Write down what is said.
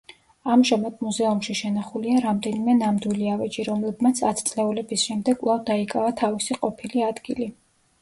ამჟამად მუზეუმში შენახულია რამდენიმე ნამდვილი ავეჯი, რომლებმაც ათწლეულების შემდეგ კვლავ დაიკავა თავისი ყოფილი ადგილი.